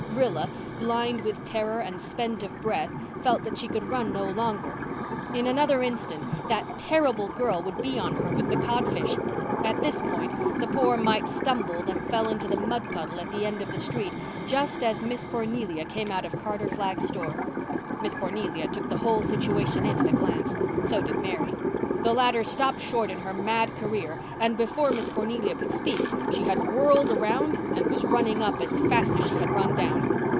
Rilla, blind with terror and spent of breath, felt that she could run no longer. In another instant that terrible girl would be on her with the codfish. At this point the poor mite stumbled and fell into the mud puddle at the end of the street just as Miss Cornelia came out of Carter Flagg's store. Miss Cornelia took the whole situation in at a glance. So did Mary. The latter stopped short in her mad career and before Miss Cornelia could speak she had whirled around and was running up as fast as she had run down.